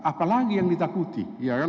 apalagi yang ditakuti